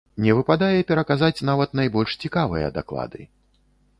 Не выпадае пераказаць нават найбольш цікавыя даклады.